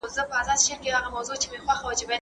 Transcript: افغانستان له کاناډا څخه کوم ډول طبي وسایل اخلي؟